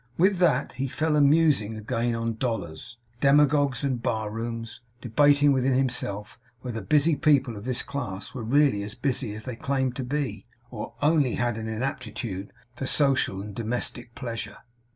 With that, he fell a musing again on dollars, demagogues, and bar rooms; debating within himself whether busy people of this class were really as busy as they claimed to be, or only had an inaptitude for social and domestic pleasure.